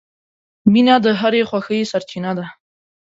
• مینه د هرې خوښۍ سرچینه ده.